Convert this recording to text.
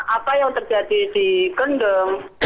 apa yang terjadi di kendung